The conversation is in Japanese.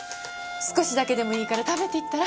少しだけでもいいから食べていったら？